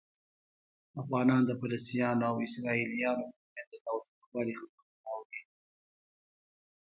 افغانان د فلسطینیانو او اسرائیلیانو ترمنځ د تاوتریخوالي خبرونه اوري.